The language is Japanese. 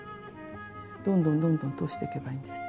どんどんどんどん通していけばいいんです。